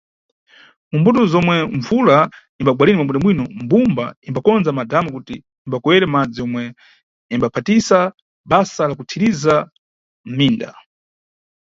Mu mbuto zomwe mbvula imbagwa lini mwabwino, mbumba imbakonza madhamu kuti imbakoyere madzi yomwe imbaphatisa basa la kuthirizira mʼminda.